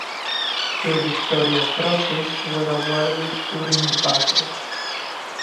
Two Victoria Crosses were awarded during the battle.